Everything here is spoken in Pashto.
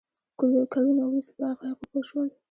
کلونه وروسته په حقایقو پوه شوم.